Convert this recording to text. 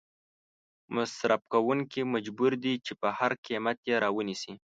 مصرف کوونکې مجبور دي چې په هر قیمت یې را ونیسي.